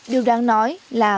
điều đáng nói là